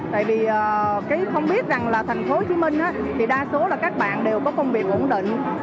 tại vì cái không biết rằng là thành phố hồ chí minh thì đa số là các bạn đều có công việc ổn định